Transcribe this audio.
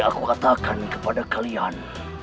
aku katakan kepada kalian